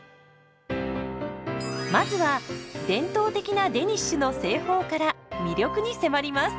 まずは伝統的なデニッシュの製法から魅力に迫ります。